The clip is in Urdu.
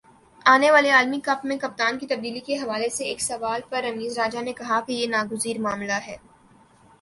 آنے والے عالمی کپ میں کپتان کی تبدیلی کے حوالے سے ایک سوال پر رمیز راجہ نے کہا کہ یہ ناگزیر معاملہ ہے